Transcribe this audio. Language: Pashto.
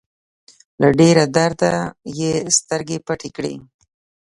له ډېره درده يې سترګې پټې کړې.